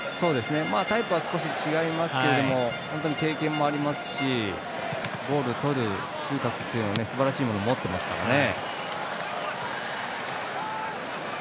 タイプは少し違いますけど経験もありますしボールをとる嗅覚というのはすばらしいものを持っていますからね。